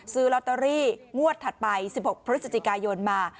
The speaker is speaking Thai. ซื้อลอตเตอรี่งวดถัดไป๑๖พฤศจิกายนมา